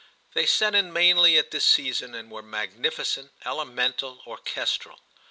They set in mainly at this season and were magnificent, elemental, orchestral.